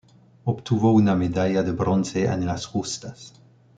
Obtuvo una medalla de bronce en las justas.